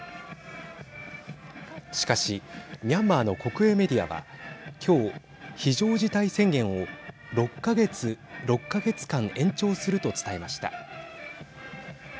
しかしミャンマーの国営メディアは今日、非常事態宣言を６か月間延長すると伝えました。